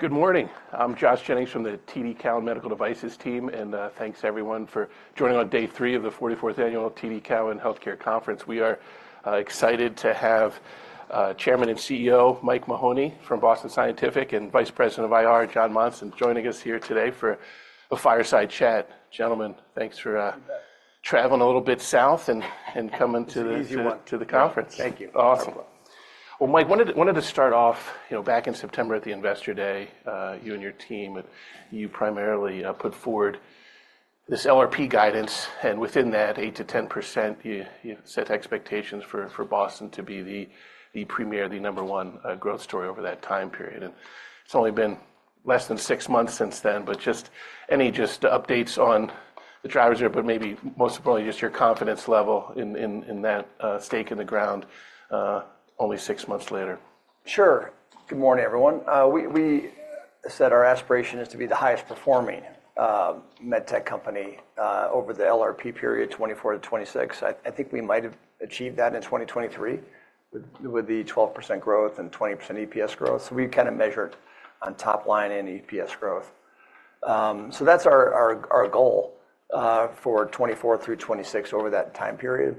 Good morning. I'm Josh Jennings from the TD Cowen Medical Devices team, and thanks everyone for joining on day three of the 44th Annual TD Cowen in Healthcare Conference. We are excited to have Chairman and CEO Mike Mahoney from Boston Scientific and Vice President of IR Jon Monson joining us here today for a fireside chat. Gentlemen, thanks for traveling a little bit south and coming to the conference. It's an easy one. Awesome. Well, Mike, I wanted to start off back in September at the Investor Day, you and your team, you primarily put forward this LRP guidance, and within that 8%-10%, you set expectations for Boston to be the premier, the number one growth story over that time period. It's only been less than six months since then, but any just updates on the drivers there, but maybe most importantly just your confidence level in that stake in the ground only six months later. Sure. Good morning, everyone. We said our aspiration is to be the highest performing medtech company over the LRP period 2024-2026. I think we might have achieved that in 2023 with the 12% growth and 20% EPS growth. So we kind of measured on top line in EPS growth. So that's our goal for 2024-2026 over that time period.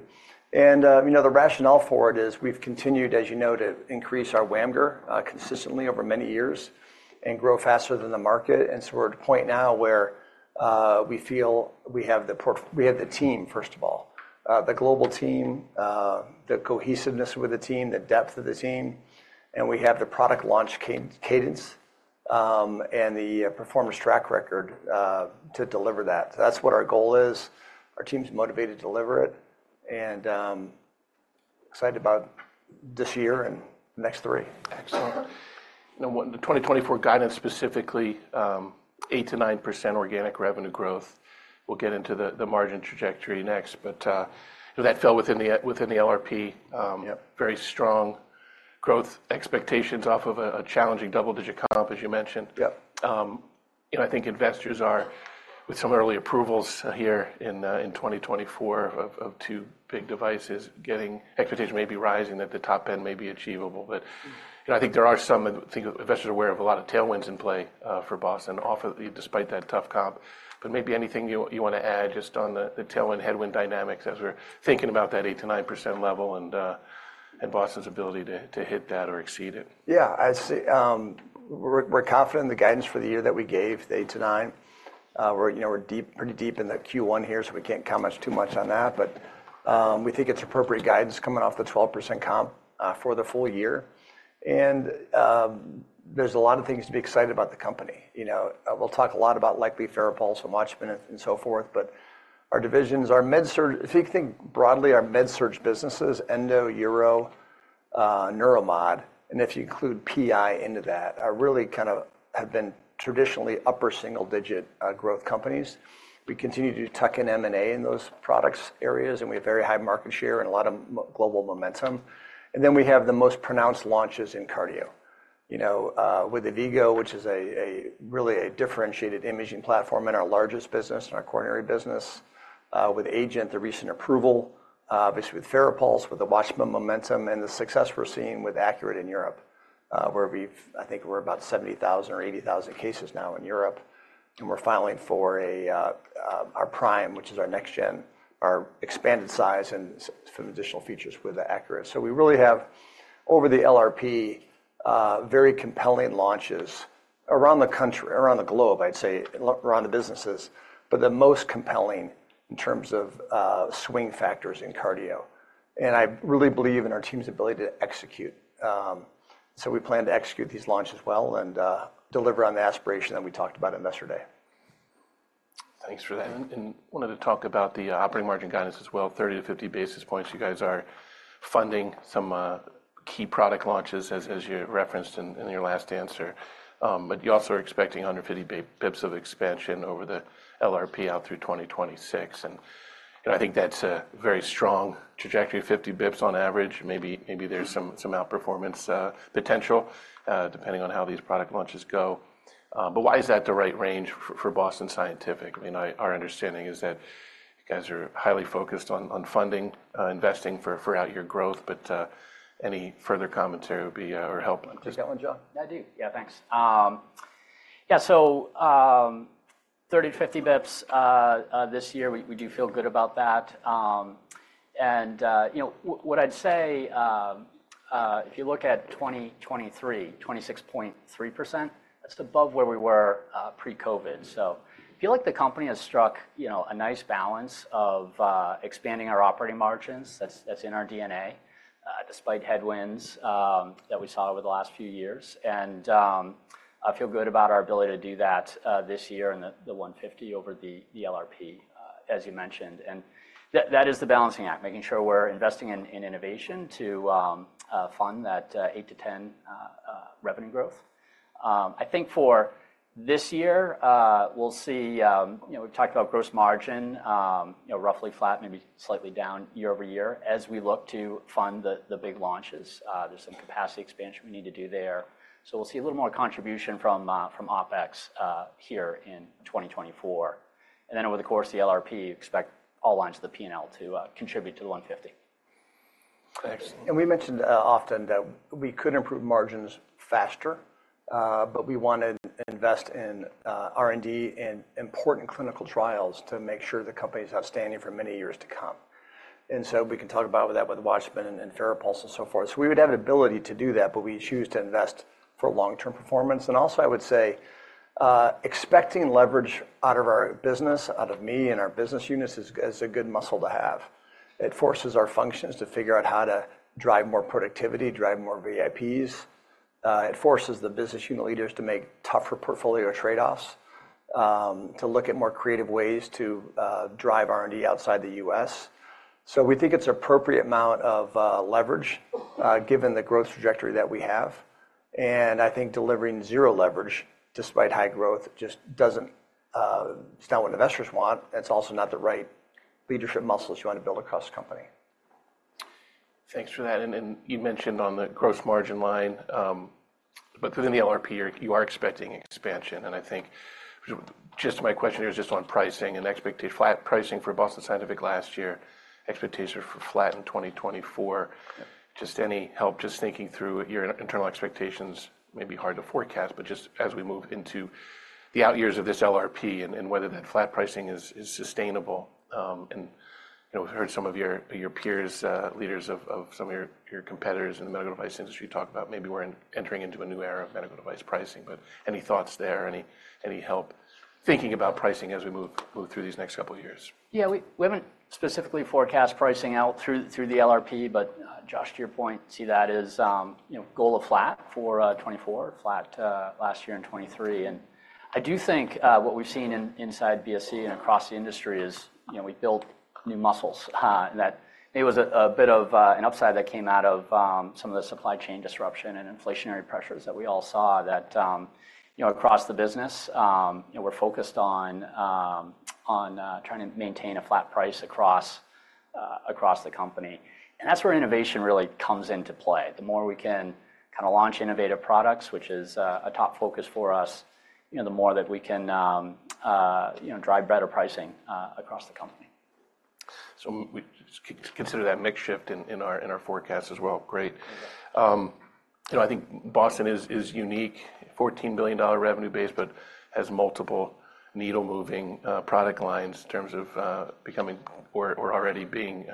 And the rationale for it is we've continued, as you know, to increase our WAMGR consistently over many years and grow faster than the market. And so we're at a point now where we feel we have the team, first of all, the global team, the cohesiveness with the team, the depth of the team, and we have the product launch cadence and the performance track record to deliver that. So that's what our goal is. Our team's motivated to deliver it and excited about this year and the next three. Excellent. Now, the 2024 guidance specifically, 8%-9% organic revenue growth. We'll get into the margin trajectory next, but that fell within the LRP, very strong growth expectations off of a challenging double-digit comp, as you mentioned. I think investors are, with some early approvals here in 2024 of two big devices, expectations may be rising that the top end may be achievable. But I think there are some investors aware of a lot of tailwinds in play for Boston despite that tough comp. But maybe anything you want to add just on the tailwind, headwind dynamics as we're thinking about that 8%-9% level and Boston's ability to hit that or exceed it. Yeah. We're confident in the guidance for the year that we gave, the 8%-9%. We're pretty deep in the Q1 here, so we can't comment too much on that. But we think it's appropriate guidance coming off the 12% comp for the full year. And there's a lot of things to be excited about the company. We'll talk a lot about like FARAPULSE and WATCHMAN and so forth. But our divisions, if you think broadly, our MedSurg businesses, Endo, Uro, Neuromod, and if you include PI into that, really kind of have been traditionally upper single-digit growth companies. We continue to tuck in M&A in those product areas, and we have very high market share and a lot of global momentum. Then we have the most pronounced launches in cardio with AVVIGO, which is really a differentiated imaging platform in our largest business, in our coronary business, with AGENT, the recent approval, obviously with FARAPULSE, with the WATCHMAN momentum and the success we're seeing with ACURATE in Europe, where I think we're about 70,000 or 80,000 cases now in Europe. And we're filing for our Prime, which is our next gen, our expanded size and some additional features with ACURATE. So we really have, over the LRP, very compelling launches around the country, around the globe, I'd say, around the businesses, but the most compelling in terms of swing factors in cardio. And I really believe in our team's ability to execute. So we plan to execute these launches well and deliver on the aspiration that we talked about on yesterday. Thanks for that. Wanted to talk about the operating margin guidance as well, 30-50 basis points. You guys are funding some key product launches, as you referenced in your last answer. But you also are expecting 150 basis points of expansion over the LRP out through 2026. And I think that's a very strong trajectory, 50 basis points on average. Maybe there's some outperformance potential depending on how these product launches go. But why is that the right range for Boston Scientific? Our understanding is that you guys are highly focused on funding, investing throughout your growth. But any further commentary or help? Do you have that one, Jon? I do. Yeah, thanks. Yeah. So 30-50 bps this year, we do feel good about that. And what I'd say, if you look at 2023, 26.3%, that's above where we were pre-COVID. So I feel like the company has struck a nice balance of expanding our operating margins. That's in our DNA despite headwinds that we saw over the last few years. And I feel good about our ability to do that this year and the 150 over the LRP, as you mentioned. And that is the balancing act, making sure we're investing in innovation to fund that 8%-10% revenue growth. I think for this year, we'll see we've talked about gross margin, roughly flat, maybe slightly down year-over-year as we look to fund the big launches. There's some capacity expansion we need to do there. We'll see a little more contribution from OpEx here in 2024. Then over the course of the LRP, expect all lines of the P&L to contribute to the 150. Excellent. We mentioned often that we could improve margins faster, but we want to invest in R&D and important clinical trials to make sure the company's outstanding for many years to come. We can talk about that with Watchman and FARAPULSE and so forth. We would have an ability to do that, but we choose to invest for long-term performance. Also, I would say expecting leverage out of our business, out of me and our business units, is a good muscle to have. It forces our functions to figure out how to drive more productivity, drive more VIPs. It forces the business unit leaders to make tougher portfolio trade-offs, to look at more creative ways to drive R&D outside the U.S. We think it's an appropriate amount of leverage given the growth trajectory that we have. I think delivering zero leverage despite high growth just is not what investors want. It's also not the right leadership muscles you want to build across the company. Thanks for that. And you mentioned on the gross margin line, but within the LRP, you are expecting expansion. And I think just my question here is just on pricing and expectations. Flat pricing for Boston Scientific last year, expectations for flat in 2024. Just any help, just thinking through your internal expectations, maybe hard to forecast, but just as we move into the out years of this LRP and whether that flat pricing is sustainable. And we've heard some of your peers, leaders of some of your competitors in the medical device industry talk about maybe we're entering into a new era of medical device pricing. But any thoughts there, any help thinking about pricing as we move through these next couple of years? Yeah. We haven't specifically forecast pricing out through the LRP, but Josh, to your point, see that as goal of flat for 2024, flat last year and 2023. And I do think what we've seen inside BSC and across the industry is we've built new muscles. And that maybe was a bit of an upside that came out of some of the supply chain disruption and inflationary pressures that we all saw across the business. We're focused on trying to maintain a flat price across the company. And that's where innovation really comes into play. The more we can kind of launch innovative products, which is a top focus for us, the more that we can drive better pricing across the company. So we consider that mix shift in our forecast as well. Great. I think Boston is unique, $14 billion revenue-based, but has multiple needle-moving product lines in terms of becoming or already being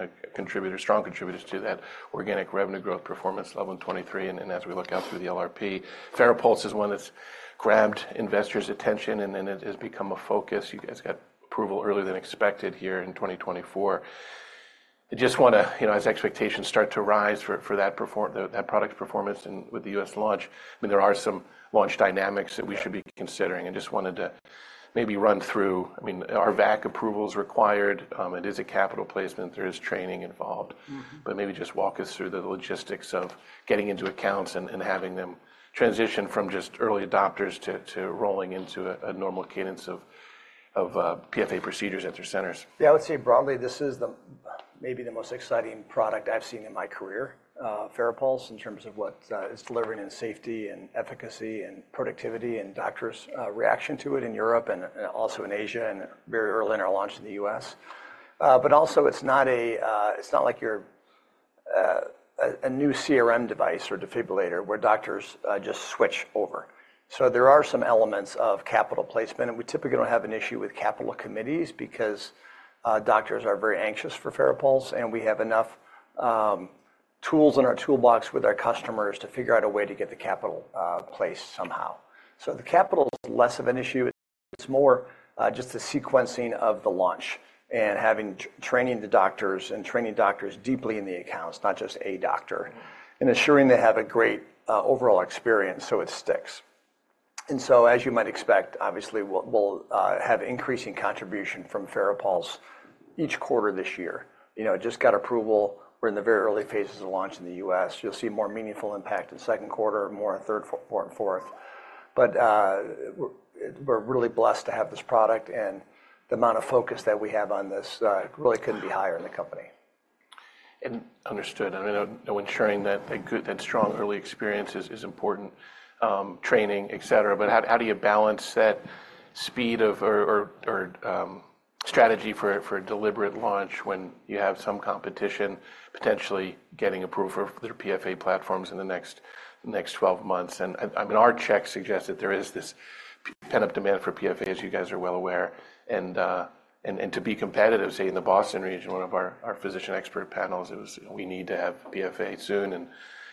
strong contributors to that organic revenue growth performance level in 2023. And as we look out through the LRP, FARAPULSE is one that's grabbed investors' attention and then has become a focus. You guys got approval earlier than expected here in 2024. I just want to, as expectations start to rise for that product's performance with the U.S. launch, I mean, there are some launch dynamics that we should be considering. I just wanted to maybe run through, I mean, are VAC approvals required? It is a capital placement. There is training involved. But maybe just walk us through the logistics of getting into accounts and having them transition from just early adopters to rolling into a normal cadence of PFA procedures at their centers. Yeah. I would say broadly, this is maybe the most exciting product I've seen in my career, FARAPULSE, in terms of what it's delivering in safety and efficacy and productivity and doctors' reaction to it in Europe and also in Asia and very early in our launch in the U.S. But also, it's not like you're a new CRM device or defibrillator where doctors just switch over. So there are some elements of capital placement. And we typically don't have an issue with capital committees because doctors are very anxious for FARAPULSE, and we have enough tools in our toolbox with our customers to figure out a way to get the capital placed somehow. So the capital is less of an issue. It's more just the sequencing of the launch and training the doctors and training doctors deeply in the accounts, not just a doctor, and ensuring they have a great overall experience so it sticks. And so, as you might expect, obviously, we'll have increasing contribution from FARAPULSE each quarter this year. It just got approval. We're in the very early phases of launch in the U.S. You'll see more meaningful impact in second quarter, more in third, fourth, and fourth. But we're really blessed to have this product, and the amount of focus that we have on this really couldn't be higher in the company. Understood. I mean, ensuring that strong early experience is important, training, etc. But how do you balance that speed or strategy for a deliberate launch when you have some competition potentially getting approval for their PFA platforms in the next 12 months? And I mean, our checks suggest that there is this pent-up demand for PFA, as you guys are well aware. And to be competitive, say, in the Boston region, one of our physician expert panels, it was, "We need to have PFA soon,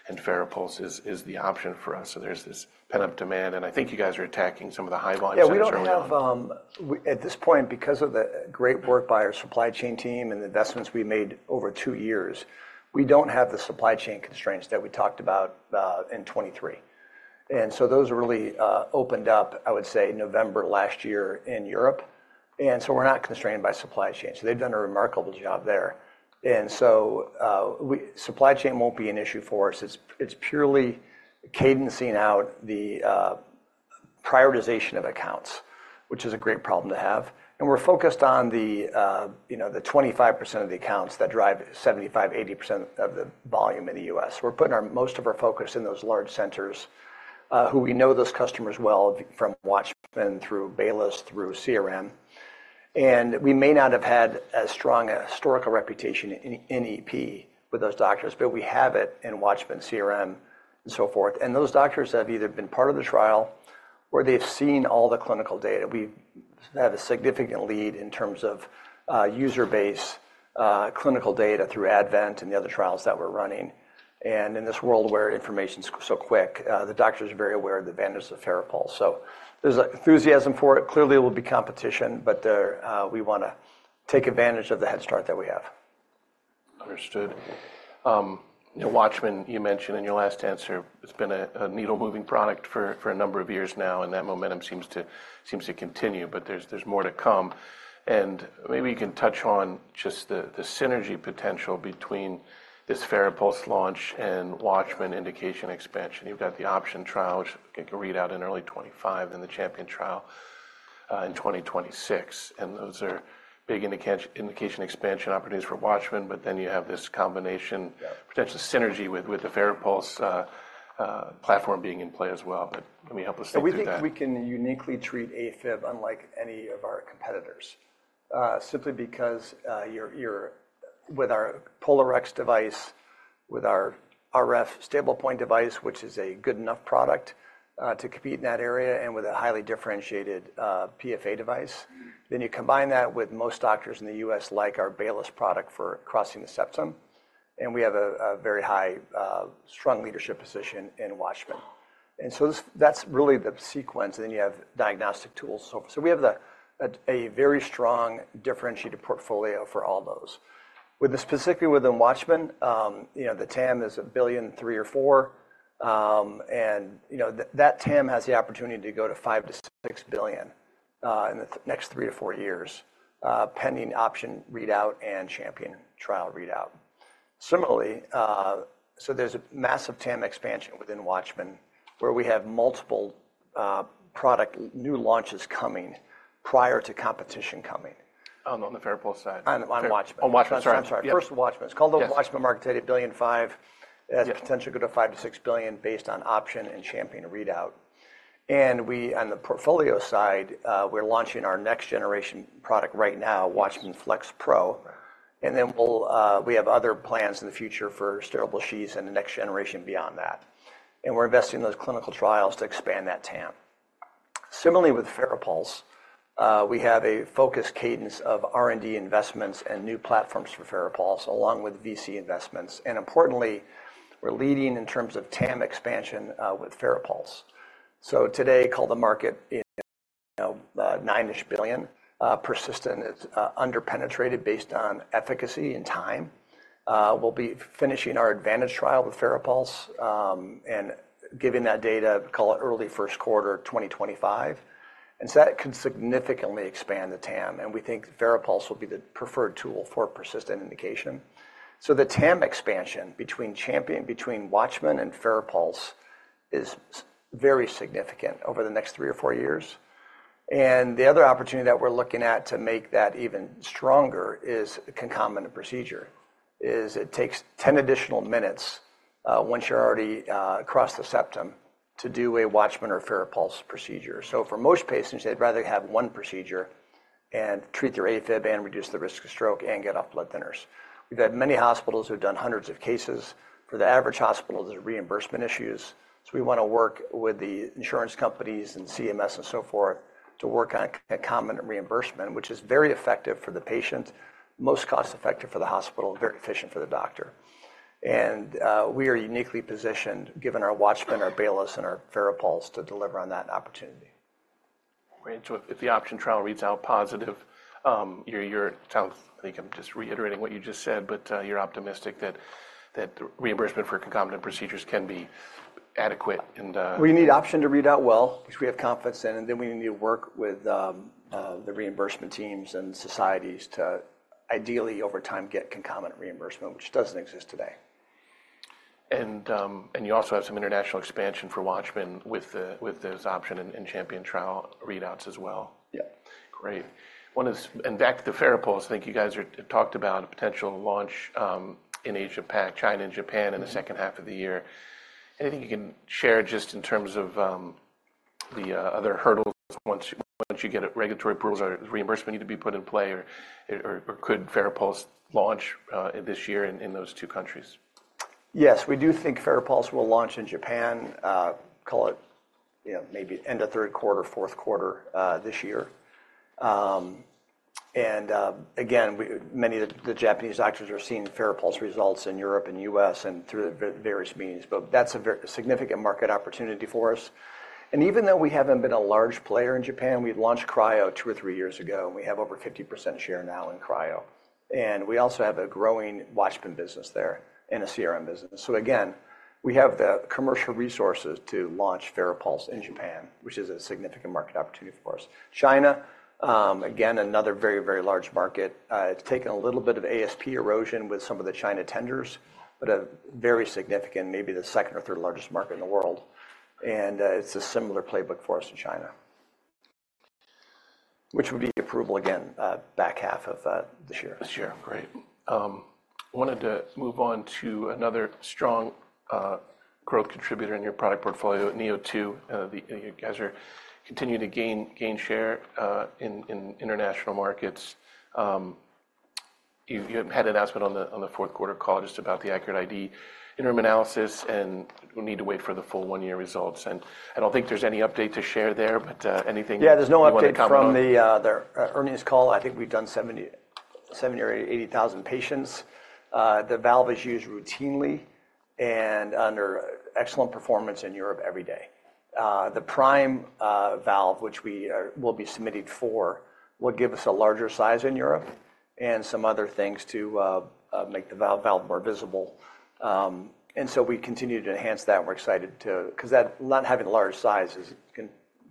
and FARAPULSE is the option for us." So there's this pent-up demand. And I think you guys are attacking some of the high volumes that we're talking about. Yeah. At this point, because of the great work by our supply chain team and the investments we made over two years, we don't have the supply chain constraints that we talked about in 2023. And so those really opened up, I would say, November last year in Europe. And so we're not constrained by supply chain. So they've done a remarkable job there. And so supply chain won't be an issue for us. It's purely cadencing out the prioritization of accounts, which is a great problem to have. And we're focused on the 25% of the accounts that drive 75%-80% of the volume in the U.S. We're putting most of our focus in those large centers who we know those customers well from Watchman, through Baylis, through CRM. We may not have had as strong a historical reputation in EP with those doctors, but we have it in Watchman, CRM, and so forth. Those doctors have either been part of the trial or they've seen all the clinical data. We have a significant lead in terms of user-based clinical data through ADVENT and the other trials that we're running. In this world where information's so quick, the doctors are very aware of the advantages of FARAPULSE. So there's enthusiasm for it. Clearly, it will be competition, but we want to take advantage of the head start that we have. Understood. WATCHMAN, you mentioned in your last answer, it's been a needle-moving product for a number of years now, and that momentum seems to continue. There's more to come. Maybe you can touch on just the synergy potential between this FARAPULSE launch and WATCHMAN indication expansion. You've got the OPTION trial, which I think you'll read out in early 2025, and the CHAMPION trial in 2026. Those are big indication expansion opportunities for WATCHMAN. Then you have this combination, potentially synergy with the FARAPULSE platform being in play as well. Let me help us think through that. We think we can uniquely treat AFib unlike any of our competitors simply because with our POLARx device, with our RF StablePoint device, which is a good enough product to compete in that area, and with a highly differentiated PFA device, then you combine that with most doctors in the U.S. like our Baylis product for crossing the septum. We have a very high, strong leadership position in WATCHMAN. So that's really the sequence. Then you have diagnostic tools and so forth. We have a very strong differentiated portfolio for all those. Specifically within WATCHMAN, the TAM is $1 billion, $3, or $4. That TAM has the opportunity to go to $5-$6 billion in the next 3-4 years pending OPTION readout and CHAMPION trial readout. So there's a massive TAM expansion within Watchman where we have multiple product new launches coming prior to competition coming. On the FARAPULSE side? On Watchman. On Watchman? Sorry. I'm sorry. First, WATCHMAN. It's called the WATCHMAN market at $1.5 billion as potentially going to $5-$6 billion based on OPTION and CHAMPION readout. And on the portfolio side, we're launching our next generation product right now, WATCHMAN FLX Pro. And then we have other plans in the future for steerable sheaths and the next generation beyond that. And we're investing in those clinical trials to expand that TAM. Similarly, with FARAPULSE, we have a focused cadence of R&D investments and new platforms for FARAPULSE along with VC investments. And importantly, we're leading in terms of TAM expansion with FARAPULSE. So today, called the market in $9-ish billion, persistent, it's underpenetrated based on efficacy and time. We'll be finishing our ADVENT trial with FARAPULSE and giving that data, call it early first quarter 2025. And so that can significantly expand the TAM. We think FARAPULSE will be the preferred tool for persistent indication. The TAM expansion between WATCHMAN and FARAPULSE is very significant over the next three or four years. The other opportunity that we're looking at to make that even stronger is concomitant procedure. It takes 10 additional minutes once you're already across the septum to do a WATCHMAN or FARAPULSE procedure. For most patients, they'd rather have one procedure and treat their AFib and reduce the risk of stroke and get off blood thinners. We've had many hospitals who've done hundreds of cases. For the average hospital, there's reimbursement issues. We want to work with the insurance companies and CMS and so forth to work on concomitant reimbursement, which is very effective for the patient, most cost-effective for the hospital, very efficient for the doctor. We are uniquely positioned, given our Watchman, our Baylis, and our FARAPULSE, to deliver on that opportunity. Great. So if the ADVENT Trial reads out positive, I think I'm just reiterating what you just said, but you're optimistic that reimbursement for concomitant procedures can be adequate and. We need OPTION to read out well because we have confidence in it. Then we need to work with the reimbursement teams and societies to ideally, over time, get concomitant reimbursement, which doesn't exist today. You also have some international expansion for Watchman with those Option and Champion trial readouts as well. Yeah. Great. Back to the FARAPULSE, I think you guys talked about a potential launch in Asia-Pacific, China and Japan in the second half of the year. Anything you can share just in terms of the other hurdles once you get regulatory approvals or reimbursement need to be put in play or could FARAPULSE launch this year in those two countries? Yes. We do think FARAPULSE will launch in Japan, call it maybe end of third quarter, fourth quarter this year. And again, many of the Japanese doctors are seeing FARAPULSE results in Europe and U.S. and through various means. But that's a significant market opportunity for us. And even though we haven't been a large player in Japan, we launched Cryo two or three years ago, and we have over 50% share now in Cryo. And we also have a growing WATCHMAN business there and a CRM business. So again, we have the commercial resources to launch FARAPULSE in Japan, which is a significant market opportunity for us. China, again, another very, very large market. It's taken a little bit of ASP erosion with some of the China tenders, but a very significant, maybe the second or third largest market in the world. It's a similar playbook for us in China, which would be approval again back half of this year. This year. Great. Wanted to move on to another strong growth contributor in your product portfolio, neo2. You guys are continuing to gain share in international markets. You had an announcement in the fourth quarter called just about the ACURATE IDE interim analysis, and we'll need to wait for the full one-year results. I don't think there's any update to share there, but anything you want to comment on? Yeah. There's no update from the earnings call. I think we've done 70 or 80,000 patients. The valve is used routinely and under excellent performance in Europe every day. The Prime valve, which we will be submitting for, will give us a larger size in Europe and some other things to make the valve more visible. And so we continue to enhance that. We're excited because not having a large size,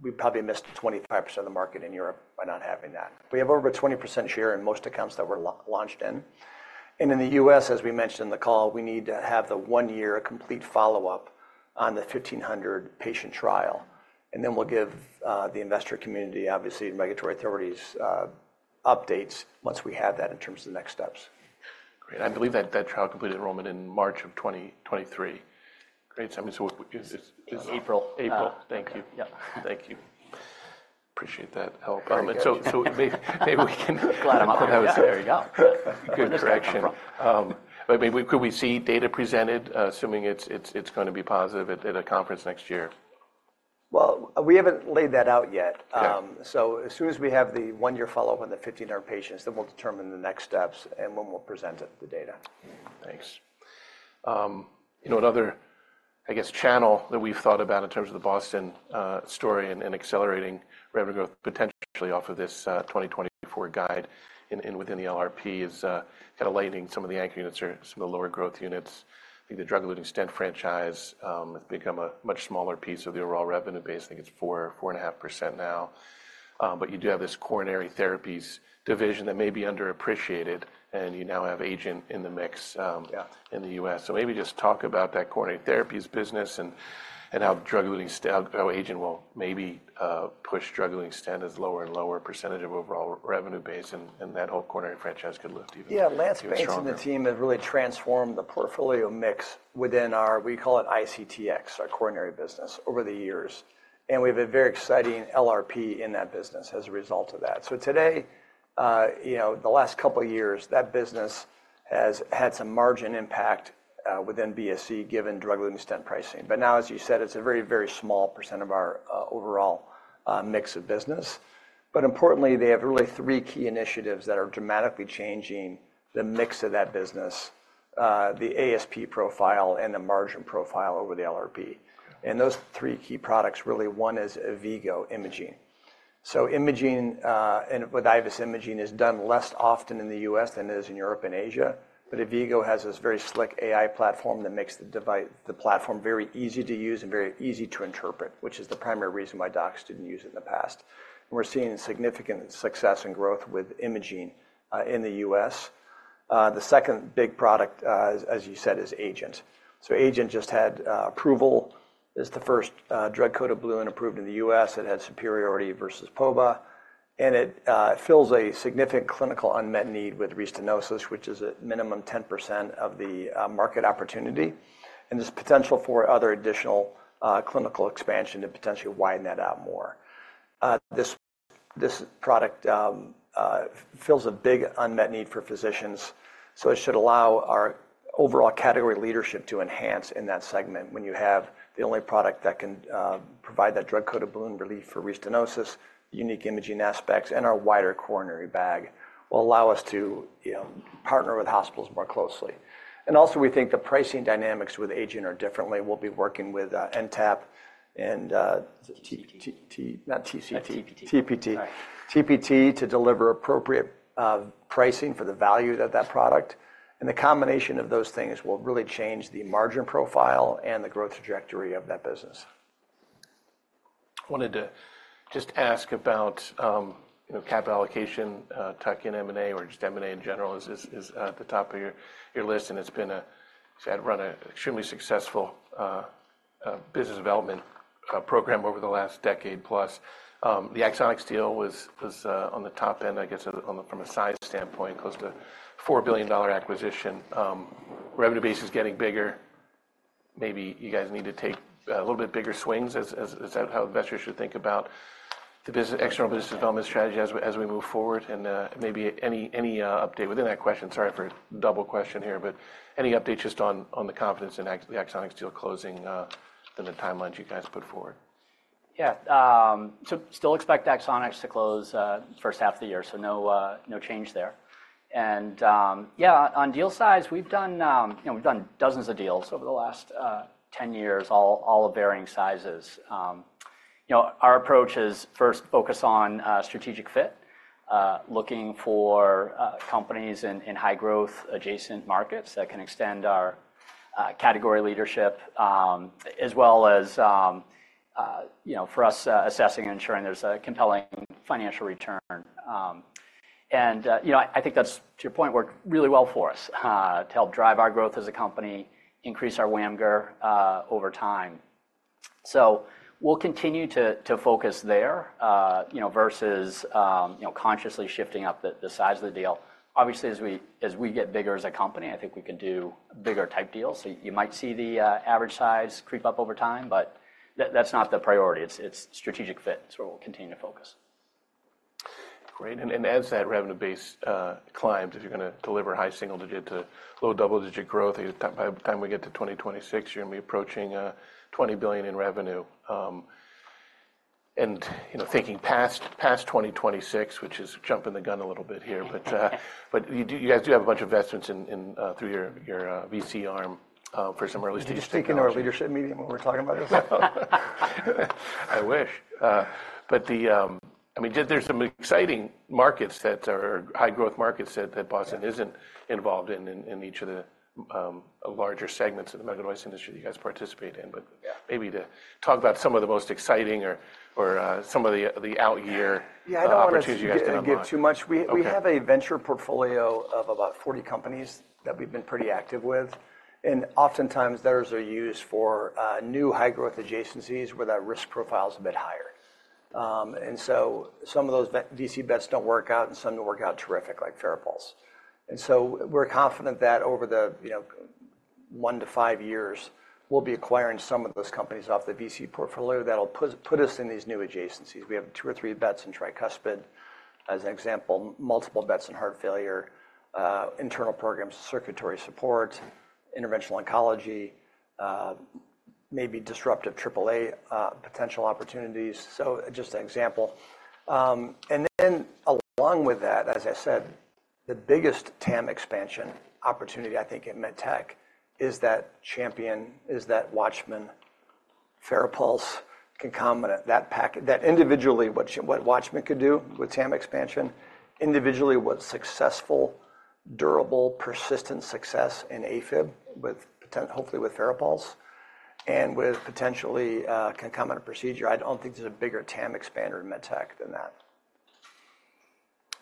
we probably missed 25% of the market in Europe by not having that. We have over 20% share in most accounts that we're launched in. And in the U.S., as we mentioned in the call, we need to have the one-year complete follow-up on the 1,500-patient trial. And then we'll give the investor community, obviously, and regulatory authorities updates once we have that in terms of the next steps. Great. I believe that trial completed enrollment in March of 2023. Great. So it's. April. April. Thank you. Yeah. Thank you. Appreciate that help. And so maybe we can. Glad I'm up with those. There you go. Good correction. But could we see data presented, assuming it's going to be positive at a conference next year? Well, we haven't laid that out yet. So as soon as we have the one-year follow-up on the 1,500 patients, then we'll determine the next steps and when we'll present the data. Thanks. Another, I guess, channel that we've thought about in terms of the Boston story and accelerating revenue growth potentially off of this 2024 guide within the LRP is kind of lightening some of the anchor units or some of the lower growth units. I think the drug-eluting stent franchise has become a much smaller piece of the overall revenue base. I think it's 4.5% now. But you do have this coronary therapies division that may be underappreciated, and you now have AGENT in the mix in the U.S. So maybe just talk about that coronary therapies business and how AGENT will maybe push drug-eluting stent as lower and lower percentage of overall revenue base, and that whole coronary franchise could lift even more. Yeah. Lance Bates and the team have really transformed the portfolio mix within our, we call it ICTX, our coronary business, over the years. And we have a very exciting LRP in that business as a result of that. So today, the last couple of years, that business has had some margin impact within BSC given drug-eluting stent pricing. But now, as you said, it's a very, very small percent of our overall mix of business. But importantly, they have really three key initiatives that are dramatically changing the mix of that business, the ASP profile, and the margin profile over the LRP. And those three key products, really, one is AVVIGO Imaging. So imaging with IVUS imaging is done less often in the U.S. than it is in Europe and Asia. But AVVIGO has this very slick AI platform that makes the platform very easy to use and very easy to interpret, which is the primary reason why docs didn't use it in the past. We're seeing significant success and growth with imaging in the U.S. The second big product, as you said, is AGENT. AGENT just had approval. It's the first drug-coated balloon approved in the U.S. It had superiority versus POBA. It fills a significant clinical unmet need with restenosis, which is at minimum 10% of the market opportunity. There's potential for other additional clinical expansion to potentially widen that out more. This product fills a big unmet need for physicians. So it should allow our overall category leadership to enhance in that segment when you have the only product that can provide that drug-coated balloon relief for restenosis, unique imaging aspects, and our wider coronary bag will allow us to partner with hospitals more closely. And also, we think the pricing dynamics with AGENT are different. We'll be working with NTAP and. TPT. Not TCT. TPT. TPT. TPT to deliver appropriate pricing for the value of that product. And the combination of those things will really change the margin profile and the growth trajectory of that business. Wanted to just ask about capital allocation. Tuck in M&A or just M&A in general is at the top of your list. And you've had to run an extremely successful business development program over the last decade plus. The Axonics was on the top end, I guess, from a size standpoint, close to $4 billion acquisition. Revenue base is getting bigger. Maybe you guys need to take a little bit bigger swings. Is that how investors should think about the external business development strategy as we move forward? And maybe any update within that question. Sorry for a double question here, but any update just on the confidence in the Axonics closing on the timelines you guys put forward? Yeah. So still expect Axonics to close first half of the year. So no change there. And yeah, on deal size, we've done dozens of deals over the last 10 years, all of varying sizes. Our approach is first focus on strategic fit, looking for companies in high-growth adjacent markets that can extend our category leadership as well as for us assessing and ensuring there's a compelling financial return. And I think that's, to your point, worked really well for us to help drive our growth as a company, increase our WAMGR over time. So we'll continue to focus there versus consciously shifting up the size of the deal. Obviously, as we get bigger as a company, I think we can do bigger type deals. So you might see the average size creep up over time, but that's not the priority. It's strategic fit. It's where we'll continue to focus. Great. And as that revenue base climbs, if you're going to deliver high single-digit to low double-digit growth, by the time we get to 2026, you're going to be approaching $20 billion in revenue. And thinking past 2026, which is jumping the gun a little bit here, but you guys do have a bunch of investments through your VC arm for some early stages. You're just taking our leadership meeting while we're talking about this. I wish. But I mean, there's some exciting markets that are high-growth markets that Boston isn't involved in in each of the larger segments of the medical device industry that you guys participate in. But maybe to talk about some of the most exciting or some of the out-year opportunities you guys don't want to. Yeah. I don't want to give too much. We have a venture portfolio of about 40 companies that we've been pretty active with. And oftentimes, those are used for new high-growth adjacencies where that risk profile is a bit higher. And so some of those VC bets don't work out, and some don't work out terrific, like FARAPULSE. And so we're confident that over the 1-5 years, we'll be acquiring some of those companies off the VC portfolio that'll put us in these new adjacencies. We have 2 or 3 bets in tricuspid, as an example, multiple bets in heart failure, internal programs, circulatory support, interventional oncology, maybe disruptive AAA potential opportunities. So just an example. And then along with that, as I said, the biggest TAM expansion opportunity, I think, in MedTech is that CHAMPION, is that WATCHMAN, FARAPULSE concomitant. That individually, what Watchman could do with TAM expansion, individually, what successful, durable, persistent success in AFib, hopefully with FARAPULSE and with potentially concomitant procedure, I don't think there's a bigger TAM expander in MedTech than that.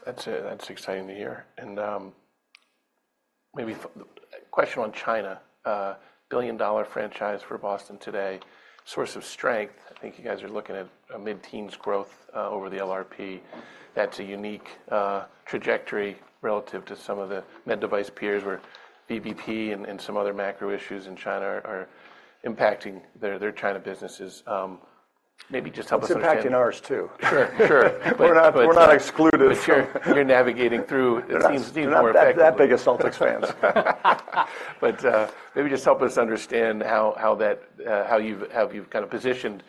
That's exciting to hear. Maybe a question on China. Billion-dollar franchise for Boston today, source of strength. I think you guys are looking at mid-teens growth over the LRP. That's a unique trajectory relative to some of the med device peers where VBP and some other macro issues in China are impacting their China businesses. Maybe just help us understand. It's impacting ours too. We're not excluded. But you're navigating through. It seems more effective. That big assault expands. Maybe just help us understand how you've kind of positioned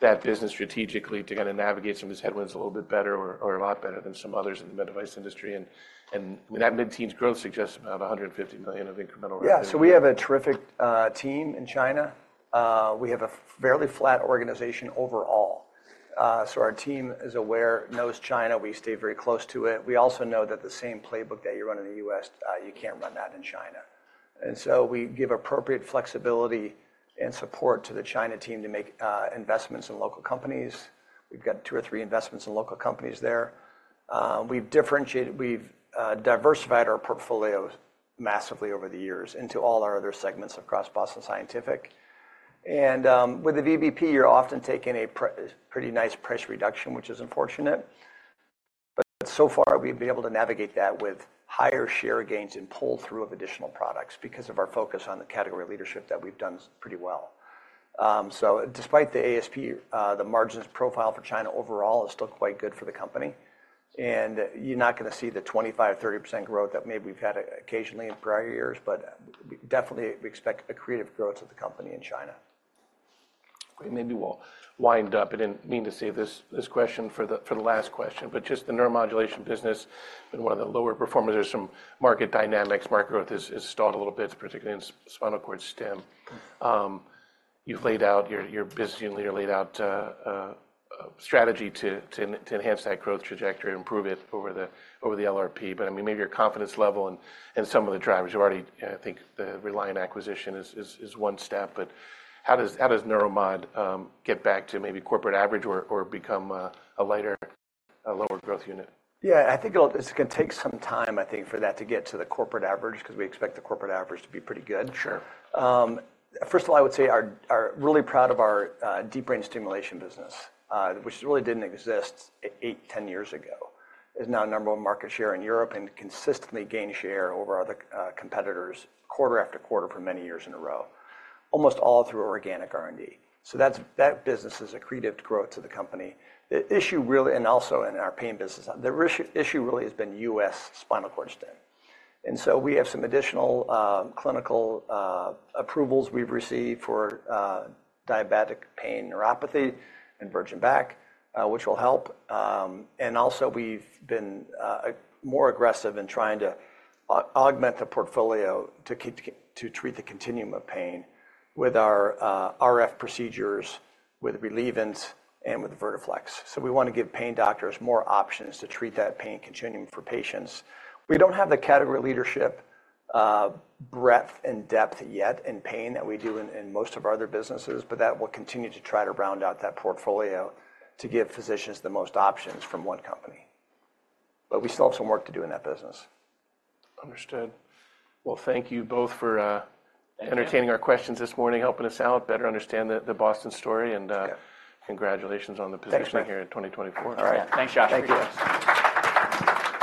that business strategically to kind of navigate some of these headwinds a little bit better or a lot better than some others in the med device industry. I mean, that mid-teens growth suggests about $150 million of incremental revenue. Yeah. So we have a terrific team in China. We have a fairly flat organization overall. Our team knows China. We stay very close to it. We also know that the same playbook that you run in the U.S., you can't run that in China. We give appropriate flexibility and support to the China team to make investments in local companies. We've got two or three investments in local companies there. We've diversified our portfolios massively over the years into all our other segments across Boston Scientific. With the VBP, you're often taking a pretty nice price reduction, which is unfortunate. But so far, we've been able to navigate that with higher share gains and pull through of additional products because of our focus on the category leadership that we've done pretty well. Despite the ASP, the margins profile for China overall is still quite good for the company. And you're not going to see the 25%-30% growth that maybe we've had occasionally in prior years, but definitely, we expect a creative growth of the company in China. Great. Maybe we'll wind up. I didn't mean to save this question for the last question, but just the neuromodulation business, been one of the lower performers. There's some market dynamics. Market growth is stalled a little bit, particularly in spinal cord stimulation. You've laid out your business unit or laid out a strategy to enhance that growth trajectory and improve it over the LRP. But I mean, maybe your confidence level and some of the drivers. I think the Relievant acquisition is one step. But how does Neuromod get back to maybe corporate average or become a lighter, lower growth unit? Yeah. I think it's going to take some time, I think, for that to get to the corporate average because we expect the corporate average to be pretty good. First of all, I would say we're really proud of our deep brain stimulation business, which really didn't exist 8, 10 years ago. It's now a number one market share in Europe and consistently gained share over other competitors quarter after quarter for many years in a row, almost all through organic R&D. So that business is accretive growth to the company. The issue really and also in our pain business, the issue really has been U.S. spinal cord stimulation. And so we have some additional clinical approvals we've received for diabetic peripheral neuropathy and virgin back, which will help. Also, we've been more aggressive in trying to augment the portfolio to treat the continuum of pain with our RF procedures, with Relievant and with Vertiflex. So we want to give pain doctors more options to treat that pain continuum for patients. We don't have the category leadership breadth and depth yet in pain that we do in most of our other businesses, but that will continue to try to round out that portfolio to give physicians the most options from one company. But we still have some work to do in that business. Understood. Well, thank you both for entertaining our questions this morning, helping us out, better understand the Boston story. Congratulations on the position here in 2024. All right. Thanks, Josh. Thank you.